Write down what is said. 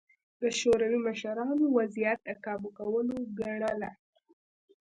د شوروي مشرانو وضعیت د کابو کولو ګڼله